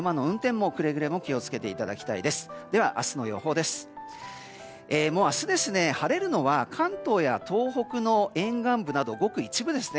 もう明日、晴れるのは関東や東北の沿岸部などごく一部ですね。